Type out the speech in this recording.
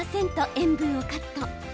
塩分をカット。